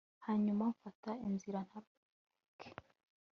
hanyuma mfate inzira ntahuke